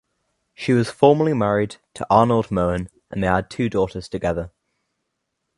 She was formerly married to Arnold Moen and they had two daughters together.